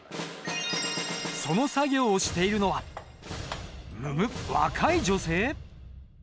その作業をしているのはむむっ若い女性！